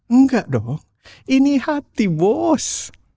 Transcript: enggak dong ini hati bos